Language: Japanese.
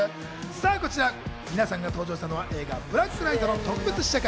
こちら皆さんが登場したのは映画『ブラックライト』の特別試写会。